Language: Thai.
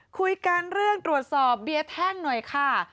คุยกันเรื่องตรวจสอบเบียร์แท่งหน่อยค่ะ